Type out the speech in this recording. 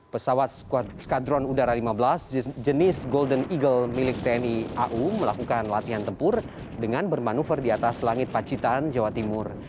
pesawat skadron udara lima belas jenis golden eagle milik tni au melakukan latihan tempur dengan bermanuver di atas langit pacitan jawa timur